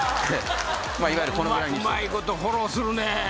うまいことフォローするね。